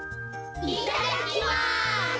いただきます！